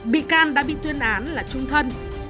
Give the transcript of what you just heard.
bị can đã bị tuyên án là trung thân